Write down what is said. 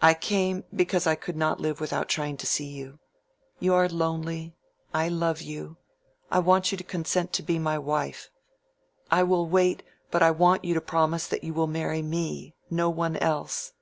"I came because I could not live without trying to see you. You are lonely; I love you; I want you to consent to be my wife; I will wait, but I want you to promise that you will marry me—no one else."